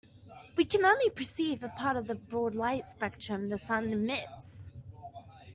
We can only perceive a part of the broad light spectrum the sun emits.